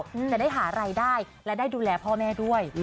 จะได้หารายได้และได้ดูแลพ่อแม่ด้วย